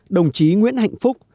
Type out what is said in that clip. đồng chí nguyễn hạnh phúc